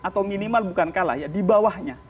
atau minimal bukan kalah ya di bawahnya